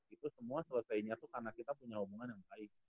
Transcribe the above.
itu semua selesainya itu karena kita punya hubungan yang baik